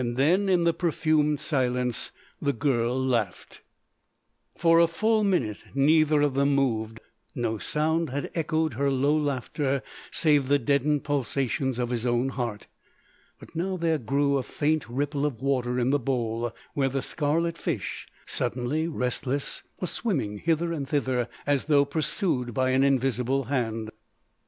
Then, in the perfumed silence, the girl laughed. For a full minute neither of them moved. No sound had echoed her low laughter save the deadened pulsations of his own heart. But now there grew a faint ripple of water in the bowl where the scarlet fish, suddenly restless, was swimming hither and thither as though pursued by an invisible hand.